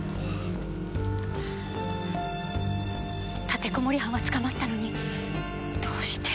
立てこもり犯は捕まったのにどうして。